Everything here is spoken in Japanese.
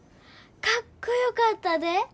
かっこよかったで。